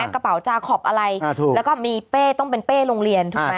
กระเป๋าจาคอปอะไรแล้วก็มีเป้ต้องเป็นเป้โรงเรียนถูกไหม